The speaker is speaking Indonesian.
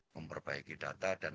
memperbaiki data dan